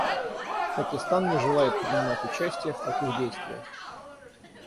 Пакистан не желает принимать участие в таких действиях.